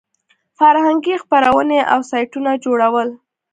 فرهنګي خپرونې او سایټونه جوړول.